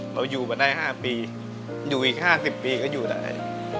เราอยู่มาได้๕ปีอยู่อีก๕๐ปีก็อยู่ได้